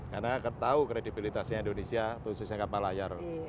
karena ketahu kredibilitasnya indonesia khususnya kapal layar